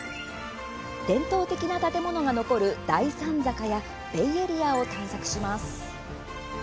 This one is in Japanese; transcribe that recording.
伝統的な建物が残る大三坂やベイエリアを探索します。